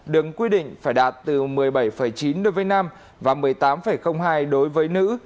đừng quy định phải đạt từ một mươi bảy chín đối với nam và một mươi tám hai đối với nữ